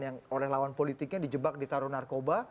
yang orang lawan politiknya di jebak ditaruh narkoba